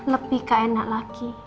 lebih ke enak lagi